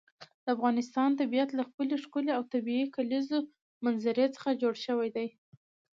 د افغانستان طبیعت له خپلې ښکلې او طبیعي کلیزو منظره څخه جوړ شوی دی.